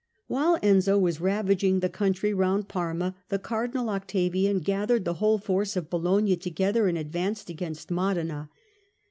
While Enzio was ravaging the country round Parma, the Cardinal Octavian gathered the whole force of Bologna together and advanced against Modena.